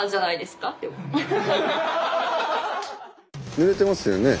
塗れてますよね。